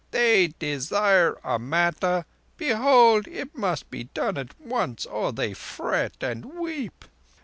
"They desire a matter—behold, it must be done at once, or they fret and weep!